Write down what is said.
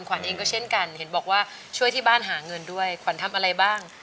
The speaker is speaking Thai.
ขวัญเองก็เช่นกันเห็นบอกว่าช่วยที่บ้านหาเงินด้วยขวัญทำอะไรบ้าง